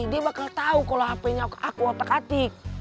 dia bakal tahu kalau hp nya aku otak atik